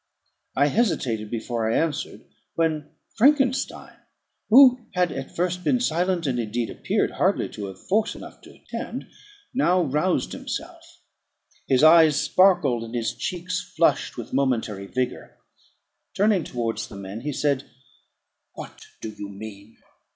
I hesitated before I answered; when Frankenstein, who had at first been silent, and, indeed, appeared hardly to have force enough to attend, now roused himself; his eyes sparkled, and his cheeks flushed with momentary vigour. Turning towards the men, he said "What do you mean?